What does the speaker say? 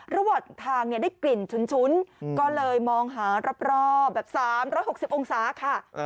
ระวัติทางเนี่ยได้กลิ่นชุนก็เลยมองหารับแบบ๓๖๐องศาค่ะ